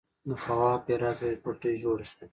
د خواف هرات ریل پټلۍ جوړه شوه.